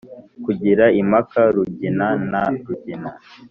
kugira impaka rugina na rugina